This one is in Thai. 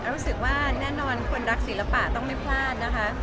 รู้สึกว่าแน่นอนคนรักศิลปะต้องไม่พลาดนะคะ